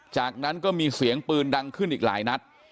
จากนั้นก็มีเสียงปืนดังขึ้นอีกหลายนัด